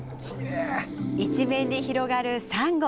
一面に広がるサンゴ！